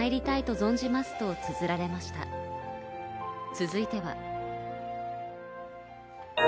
続いては。